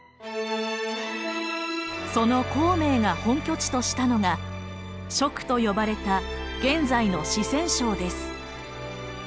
その孔明が本拠地としたのが蜀と呼ばれた現在の四川省です。